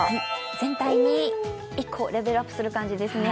全体に１個レベルアップする感じですね。